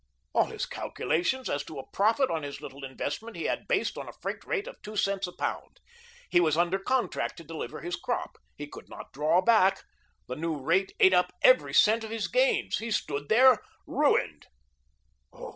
All his calculations as to a profit on his little investment he had based on a freight rate of two cents a pound. He was under contract to deliver his crop. He could not draw back. The new rate ate up every cent of his gains. He stood there ruined.